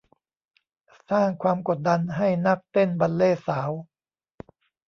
สร้างความกดดันให้นักเต้นบัลเลต์สาว